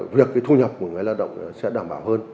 việc cái thu nhập của người lao động sẽ đảm bảo hơn